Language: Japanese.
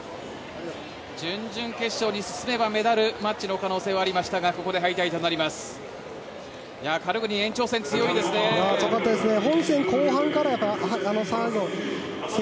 準々決勝に進めばメダルマッチの可能性もありましたがここで敗退となります。